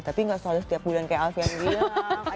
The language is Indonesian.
tapi nggak selalu setiap bulan kayak alfian bilang